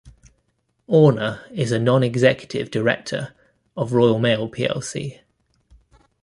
Orna is a non-executive director of Royal Mail plc.